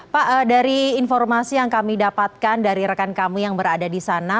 pak dari informasi yang kami dapatkan dari rekan kami yang berada di sana